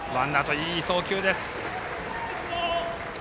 いい送球です。